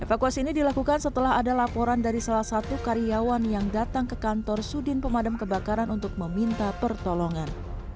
evakuasi ini dilakukan setelah ada laporan dari salah satu karyawan yang datang ke kantor sudin pemadam kebakaran untuk meminta pertolongan